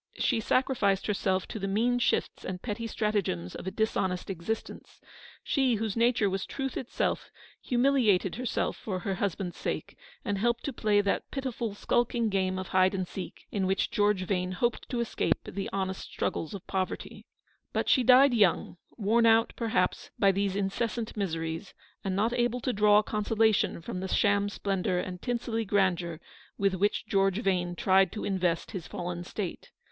She sacrificed herself to the mean shifts and petty stratagems of a dis honest existence. She, whose nature was truth itself, humiliated herself for her husband's sake, 48 Eleanor's victory. and helped to play that pitiful, skulking game of hide and seek in which George Vane hoped to escape the honest struggles of poverty. But she died young, worn out, perhaps, by these incessant miseries, and not able to draw con solation from the sham splendour and tinselly grandeur with which George Vane tried to invest his fallen state.